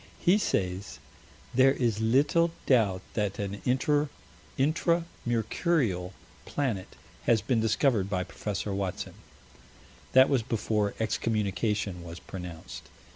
He says: "There is little doubt that an Intra Mercurial planet has been discovered by Prof. Watson." That was before excommunication was pronounced.